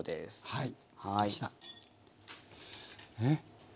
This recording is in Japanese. はい。